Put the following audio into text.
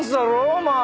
お前。